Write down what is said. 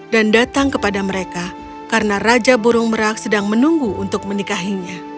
dan datang kepada mereka karena raja burung merak sedang menunggu untuk menikahinya